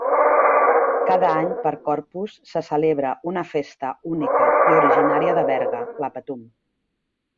Cada any per Corpus se celebra una festa única i originària de Berga, la Patum.